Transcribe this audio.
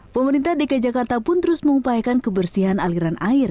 pemerintah dki jakarta pun terus mengupayakan kebersihan aliran air